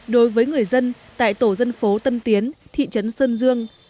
đối với người dân tại tổ dân phố tân tiến thị trấn sơn dương